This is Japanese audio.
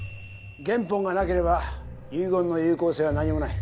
原本がなければ遺言の有効性は何もない。